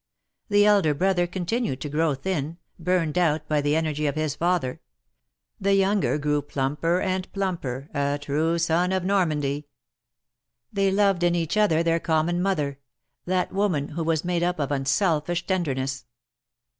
The elder brother continued to grow thin, burned out by the energy of his father ; the younger grew plumper and plumper, a true son of Normandy. They loved in each other their common mother — that woman who was made up of unselfish tenderness.